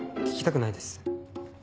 聞きたくないです。